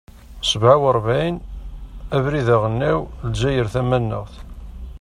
Sebɛa uṛebɛin, Abrid aɣelnaw, Lezzayer tamanaɣt.